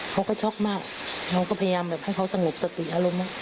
เขาก็ช็อกมากเราก็พยายามแบบให้เขาสงบสติอารมณ์